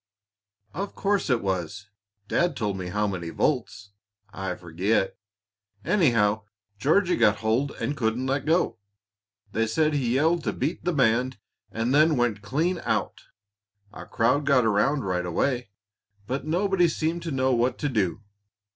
"Of course it was! Dad told me how many volts. I forget. Anyhow, Georgie got hold and couldn't let go. They said he yelled to beat the band, and then went clean out. A crowd got around right away, but nobody seemed to know what to do.